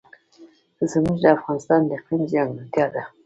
زمرد د افغانستان د اقلیم ځانګړتیا ده.